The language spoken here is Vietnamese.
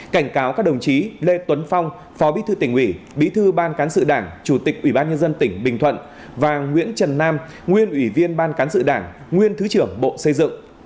cảnh cáo các đồng chí lê tuấn phong phó bí thư tỉnh ủy bí thư ban cán sự đảng chủ tịch ủy ban nhân dân tỉnh bình thuận và nguyễn trần nam nguyên ủy viên ban cán sự đảng nguyên thứ trưởng bộ xây dựng